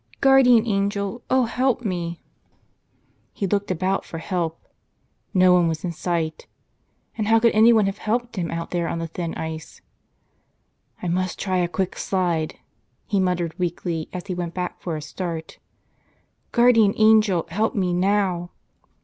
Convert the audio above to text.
Guardian Angel, O help me!" 15 "Tell Us Another!" He looked about for help. No one was in sight. And how could anyone have helped him out there on the thin ice. "1 must try a quick slide," he muttered weakly as he went back for a start.. "Guardian Angel, help me now!."